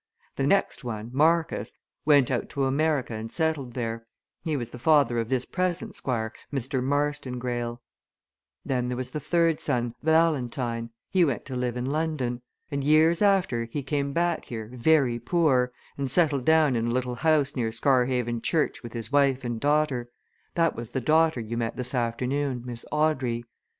The next one, Marcus, went out to America and settled there he was the father of this present Squire, Mr. Marston Greyle. Then there was the third son, Valentine he went to live in London. And years after he came back here, very poor, and settled down in a little house near Scarhaven Church with his wife and daughter that was the daughter you met this afternoon, Miss Audrey.